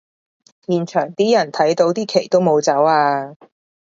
現場啲人睇到啲旗都冇走吖